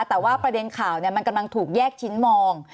แต่ว่าประเด็นข่าวมันกำลังถูกแยกชิ้นมอง